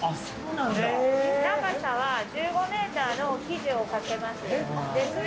長さは１５ｍの生地をかけます。